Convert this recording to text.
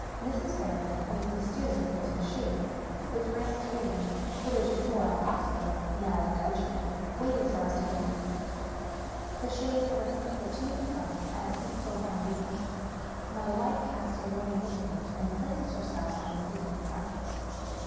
Mrs. Fairbank points mysteriously to the chaise — ^with Francis Raven (hitherto our hostler, now our coachman) waiting for us to get in. The chaise has a seat for two in front, and a seat for one behind. My wife casts a warning look at me, and places herself on the seat in front.